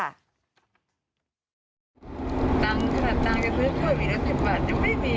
ทางสถานทางกับทุ่ยโซเซอร์อีกละ๑๐บาทยังไม่มี